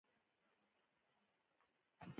آیا شب یلدا د اوږدې شپې جشن نه دی؟